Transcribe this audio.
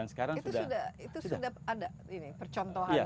itu sudah ada percontohannya